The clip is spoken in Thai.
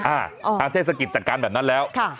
อ้าวท่าเทศกิจจัดการแบบนั้นแล้วค่ะ